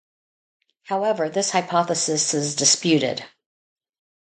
However, this hypothesis is disputed.